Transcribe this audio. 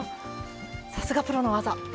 さすがプロの技！